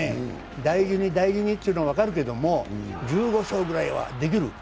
大事に大事にというのは分かるけど１５勝ぐらいはできる。